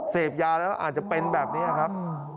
เสพยาแล้วอาจจะเป็นแบบนี้ครับ